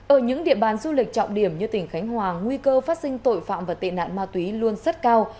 ở những địa bàn du lịch trọng điểm như tỉnh khánh hòa nguy cơ phát sinh tội phạm và tệ nạn ma túy luôn rất cao